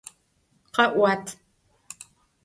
Khe'uat!